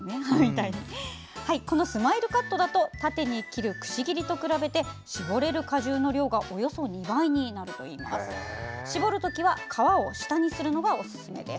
このスマイルカットだと縦に切るくし切りと比べて搾れる果汁の量がおよそ２倍になるというんです。